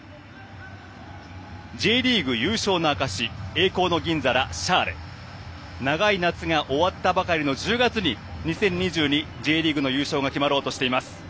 Ｊリーグ優勝への証し栄光の銀皿、シャーレ永い夏が終わったばかりの１０月に２０２２Ｊリーグの優勝が決まろうとしています。